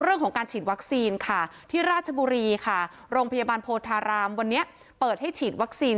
เรื่องของการฉีดวัคซีนค่ะที่ราชบุรีค่ะโรงพยาบาลโพธารามวันนี้เปิดให้ฉีดวัคซีน